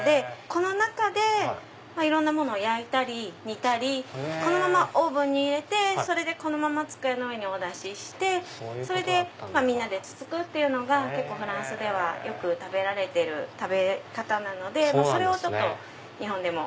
この中でいろんなものを焼いたり煮たりこのままオーブンに入れてこのまま机の上にお出ししてみんなでつつくっていうのが結構フランスではよく食べられてる食べ方なのでそれを日本でも。